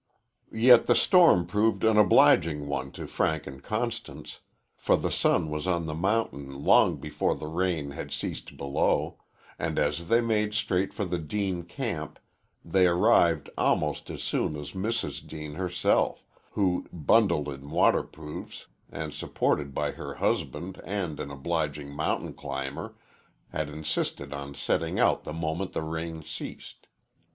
Yet the storm proved an obliging one to Frank and Constance, for the sun was on the mountain long before the rain had ceased below, and as they made straight for the Deane camp they arrived almost as soon as Mrs. Deane herself, who, bundled in waterproofs and supported by her husband and an obliging mountain climber, had insisted on setting out the moment the rain ceased.